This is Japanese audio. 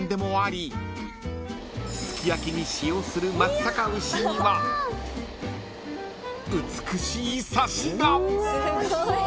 ［すき焼きに使用する松阪牛には美しいサシが］